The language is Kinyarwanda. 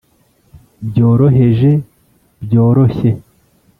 byoroheje, byoroshye,